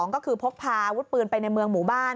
ก็คือพกพาอาวุธปืนไปในเมืองหมู่บ้าน